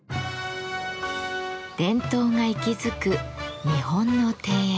伝統が息づく日本の庭園。